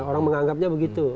orang menganggapnya begitu